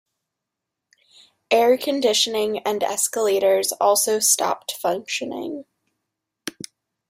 Air-conditioning and escalators also stopped functioning.